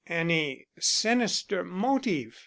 "Any sinister motive?"